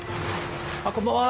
あっこんばんは。